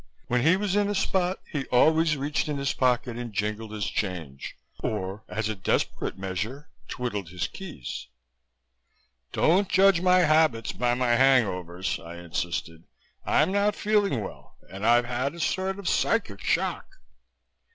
When he was in a spot, he always reached in his pocket and jingled his change or, as a desperate measure, twiddled his keys." "Don't judge my habits by my hang overs," I insisted. "I'm not feeling well and I've had a sort of psychic shock."